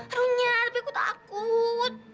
aduh nyah tapi aku takut